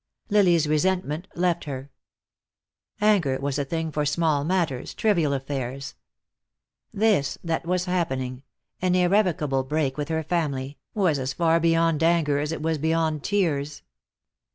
Lily's resentment left her. Anger was a thing for small matters, trivial affairs. This that was happening, an irrevocable break with her family, was as far beyond anger as it was beyond tears.